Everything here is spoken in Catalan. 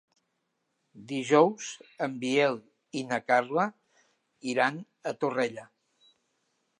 Dijous en Biel i na Carla iran a Torrella.